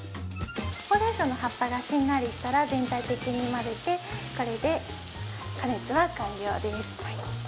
ホウレンソウの葉っぱがしんなりしたら全体的に混ぜてこれで加熱は完了です。